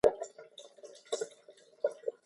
انا د قرآن نغمه ده